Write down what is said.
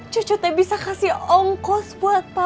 cucu teh bisa kasih ongkos buat papa